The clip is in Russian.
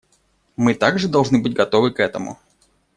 Мы также должны быть готовы к этому.